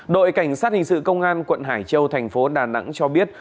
đội cảnh sát hình sự công an quận hải châu thành phố đà nẵng cho biết